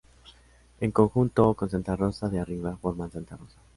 En conjunto con Santa Rosa de Arriba, forman Santa Rosa.